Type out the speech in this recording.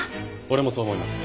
俺もそう思います。